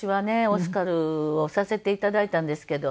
オスカルをさせて頂いたんですけど。